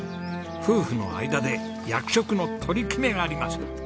夫婦の間で役職の取り決めがあります。